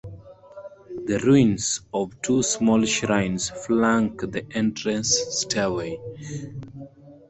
The ruins of two small shrines flank the entrance stairway.